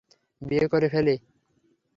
বিয়ে করে ফেলি?